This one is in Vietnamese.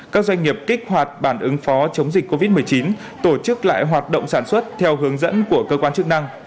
các doanh nghiệp kích hoạt bản ứng phó chống dịch covid một mươi chín tổ chức lại hoạt động sản xuất theo hướng dẫn của cơ quan chức năng